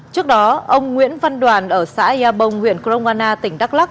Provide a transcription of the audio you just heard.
trước đó ông nguyễn văn đoàn ở xã yà bông huyện kroana tỉnh đắk lắk